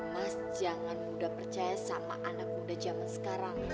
mas jangan muda percaya sama anak muda jaman sekarang